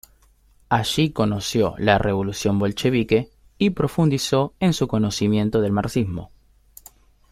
Allí conoció la revolución bolchevique y profundizó en su conocimiento del marxismo.